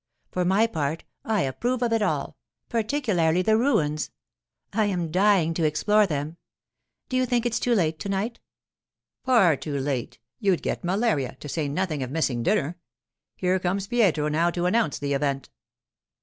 For my part, I approve of it all—particularly the ruins. I am dying to explore them—do you think it's too late to night?' 'Far too late; you'd get malaria, to say nothing of missing dinner. Here comes Pietro now to announce the event.